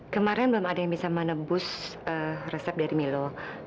kemarin belum ada yang bisa menembus resep dari milo